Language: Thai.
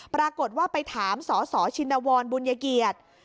ปรากฏว่าไปถามสสชินวรบุญยเกียรติ